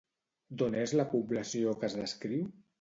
D'on és la població que es descriu?